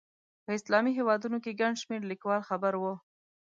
په اسلامي هېوادونو کې ګڼ شمېر لیکوال خبر وو.